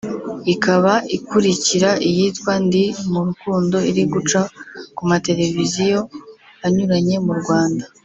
ikaba ikurikira iyitwa “Ndi Mu Rukundo” iri guca ku mateleviziyo anyuranye mu Rwanda